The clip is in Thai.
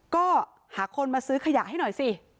ก็หาคนมาซื้อขยะให้หน่อยสิ